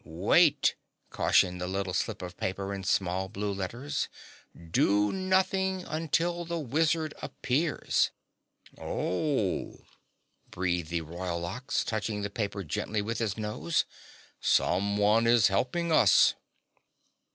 "Wait!" cautioned the little slip of paper in small blue letters. "Do nothing until the wizard appears." "Oh," breathed the Royal Ox, touching the paper gently with his nose. "Someone is helping us."